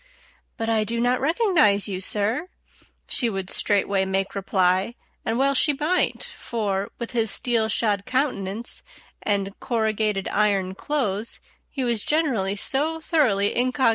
"But I do not recognize you, sir," she would straightway make reply; and well she might, for, with his steel shod countenance and corrugated iron clothes, he was generally so thoroughly _incog.